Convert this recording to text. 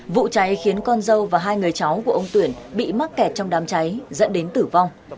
vụ cháy khiến con dâu và hai người cháu của ông tuyển bị mắc kẹt trong đám cháy dẫn đến tử vong